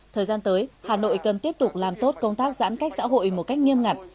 thời gian tới hà nội cần tiếp tục làm tốt công tác giãn cách xã hội một cách nghiêm ngặt